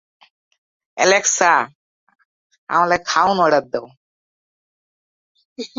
এটির রবিবারের সংস্করণ সানডে ফ্রি প্রেস নামে পরিচিত।